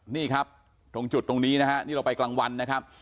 นี่ครับตรงจุดตรงนี้นะฮะนี่เราไปกลางวันนะครับ